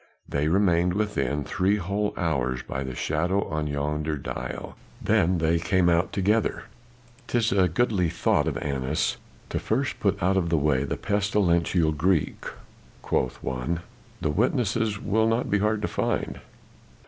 They remained within, three whole hours by the shadow on yonder dial, then they came out together. "''Tis a goodly thought of Annas to first put out of the way the pestilential Greek,' quoth one, 'the witnesses will not be hard to find.